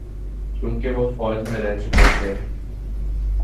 چونکہ وہ فوج میں رہ چکے تھے۔